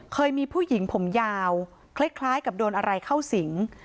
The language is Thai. เคยมีผู้หญิงผมยาวคล้ายกับโดนอะไรเข้าสิง